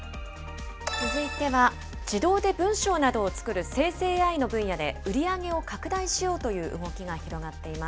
続いては、自動で文章などを作る生成ＡＩの分野で、売り上げを拡大しようという動きが広がっています。